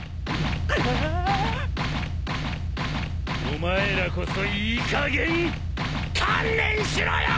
お前らこそいいかげん観念しろよ！